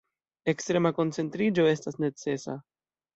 Ekstrema koncentriĝo estas necesa.